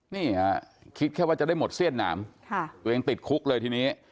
นี่ฮะคิดแค่ว่าจะได้หมดเสี้ยนหนามตัวเองติดคุกเลยทีนี้